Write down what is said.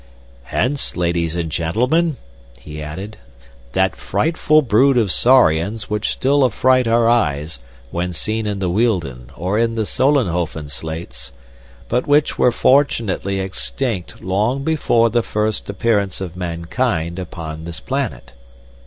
"Hence, ladies and gentlemen," he added, "that frightful brood of saurians which still affright our eyes when seen in the Wealden or in the Solenhofen slates, but which were fortunately extinct long before the first appearance of mankind upon this planet."